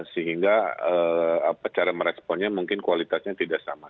sehingga cara meresponnya mungkin kualitasnya tidak sama